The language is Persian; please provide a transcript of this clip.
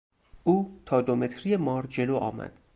او تا دو متری مار جلو آمد.